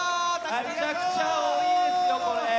めちゃくちゃ多いですよ！